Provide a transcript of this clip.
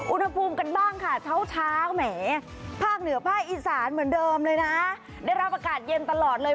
อุณหภูมิกันบ้างค่ะเช้าเช้าแหมภาคเหนือภาคอีสานเหมือนเดิมเลยนะได้รับอากาศเย็นตลอดเลย